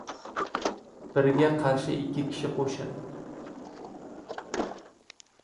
• Birga qarshi ikki kishi ― qo‘shin.